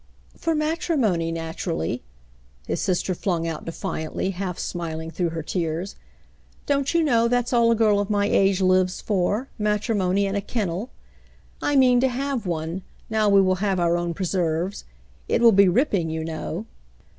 "For matrimony — naturally," his sister flung out defiantly, half smiling through her tears. "Don't you know that's all a girl of my age lives for — matrimony and a kennel ^ I mean to have one, now we will have our own preserves. It will be ripping, you know."